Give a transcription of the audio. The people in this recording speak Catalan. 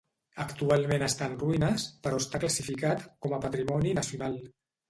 Actualment està en ruïnes, però està classificat com a patrimoni nacional.